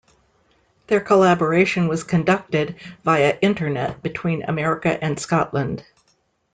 Their collaboration was conducted via Internet between America and Scotland.